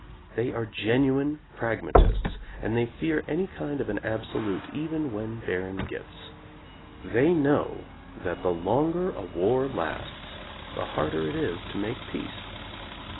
They are genuine pragmatists and they fear any kind of an absolute, even when bear ing gifts. They know that the longer a war lasts the harder it is to make peace.